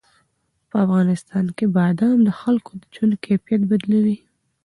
په افغانستان کې بادام د خلکو د ژوند کیفیت بدلوي.